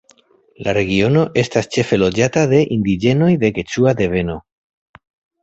La regiono estas ĉefe loĝata de indiĝenoj de keĉua deveno.